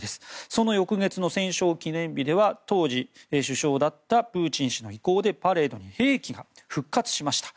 その翌月の戦勝記念日では当時、首相だったプーチン氏の意向でパレードに兵器が復活しました。